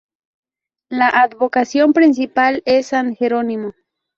La advocación principal es San Jerónimo.